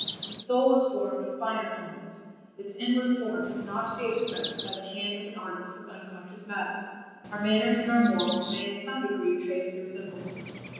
The soul is formed of finer elements, its inward form is not to be expressed by the hand of an artist with unconscious matter; our manners and our morals may in some degree trace the resemblance.